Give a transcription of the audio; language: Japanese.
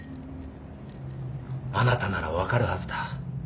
あなたなら分かるはずだ。